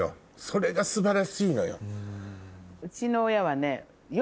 それが素晴らしいのよ。